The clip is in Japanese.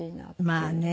まあね。